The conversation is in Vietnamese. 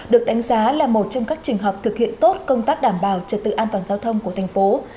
được đánh giá là một trong các trường học thực hiện tốt công tác đảm bảo trật tự an toàn giao thông của thành phố